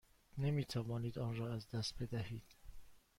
نمی توانید آن را از دست بدهید.